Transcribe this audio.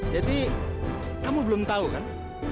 jadi kamu belum tahu kan